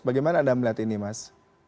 bagaimana anda melihat ini mas